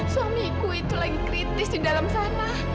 suamiku itu lagi kritis di dalam sana